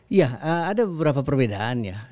iya ada beberapa perbedaan ya